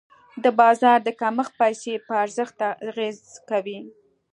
د بازار د کمښت پیسې په ارزښت اغېز کوي.